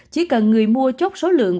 chỉ cần người mua chốt số lượng